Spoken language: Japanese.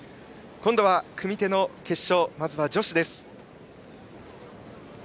今度は組手の決勝まず女子です。